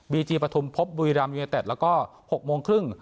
จีปฐุมพบบุรีรัมยูเนเต็ดแล้วก็๖โมงครึ่ง